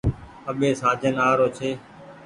اٻي سآجن آ رو ڇي۔